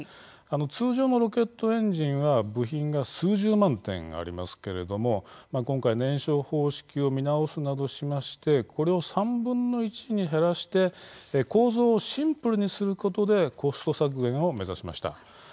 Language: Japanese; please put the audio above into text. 通常のロケットエンジンは部品が数十万点ありますけれども今回、燃焼方式を見直すなどしましてこれを３分の１に減らして構造をシンプルにすることでコスト削減を目指しました。